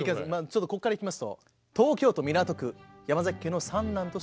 ちょっとこっからいきますと東京都港区山崎家の三男として生まれる。